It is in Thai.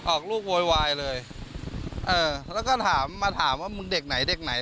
ออกลูกโวยวายเลยเออแล้วก็ถามมาถามว่ามึงเด็กไหนเด็กไหน